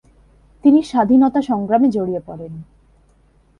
তিনি স্বাধীনতা সংগ্রামে জড়িয়ে পড়েন।